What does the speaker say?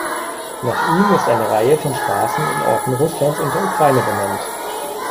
Nach ihm ist eine Reihe von Straßen in Orten Russlands und der Ukraine benannt.